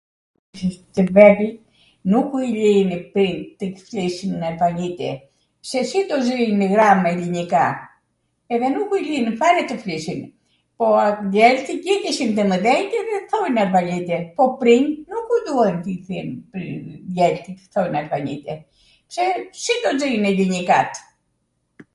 Tw vegwl nuku i lijn print tw flisnw arvanite, se si do zijnw ghramw elinika? Edhe nuku i lijnw fare tw flisnin, por djeltht gjigjeshin tw mwdhenjt edhe thonw arvanite. Po print nuku duan t'i gjegjn djelt tw thon arvanite, se si do xijnw elinikat?